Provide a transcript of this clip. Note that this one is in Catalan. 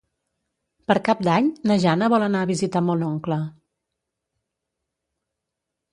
Per Cap d'Any na Jana vol anar a visitar mon oncle.